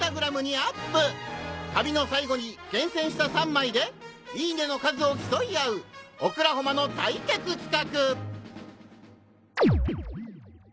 旅の最後に厳選した３枚で「いいね！」の数を競い合う『オクラホマ』の対決企画！